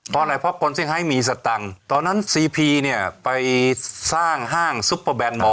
เพราะอะไรเพราะคนเซ็งไฮมีสตังค์ตอนนั้นซีพีเนี่ยไปสร้างห้างซุปเปอร์แบนมอร์